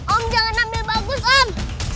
om jangan ambil bagus om